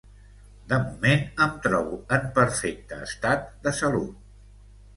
De moment em trobo en perfecte estat de salut.